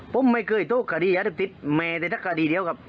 ผมไม่เคยโตข้าดียาเรียบทิศแม่แต่ทักข้าดีเดียวกับ